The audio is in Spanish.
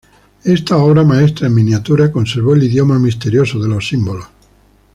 Esta obra maestra en miniatura conservó el idioma misterioso de los símbolos.